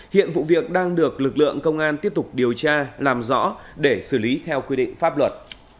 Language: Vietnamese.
hiện vụ việc đang được lực lượng công an tiếp tục điều tra làm rõ để xử lý theo quy định pháp luật